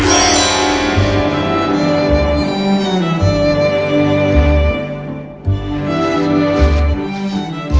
aku sudah memikirkan sesuatu